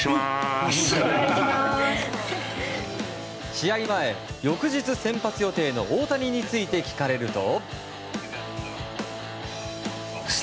試合前、翌日先発予定の大谷について聞かれると。